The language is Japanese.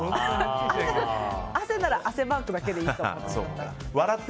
汗なら汗マークだけでいいかなと。